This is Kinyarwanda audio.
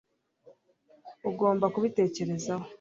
Ugomba kubitekerezaho